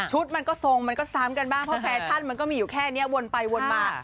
มันก็ทรงมันก็ซ้ำกันบ้างเพราะแฟชั่นมันก็มีอยู่แค่นี้วนไปวนมา